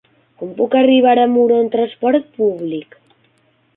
Com puc arribar a Muro amb transport públic?